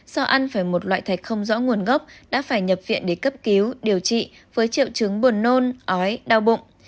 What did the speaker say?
do ăn phải một loại thạch không rõ nguồn gốc đã phải nhập viện để cấp cứu điều trị với triệu chứng buồn nôn ói đau bụng